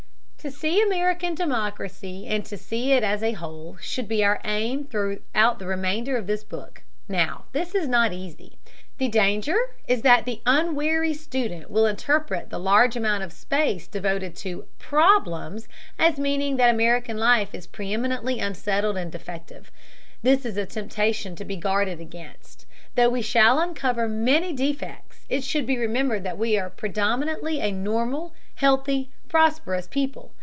To see American democracy and to see it as a whole should be our aim throughout the remainder of this book. Now this is not easy. The danger is that the unwary student will interpret the large amount of space devoted to "problems" as meaning that American life is preeminently unsettled and defective. This is a temptation to be guarded against. Though we shall uncover many defects, it should be remembered that we are predominantly a normal, healthy, prosperous people.